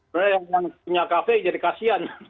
sebenarnya yang punya kafe jadi kasian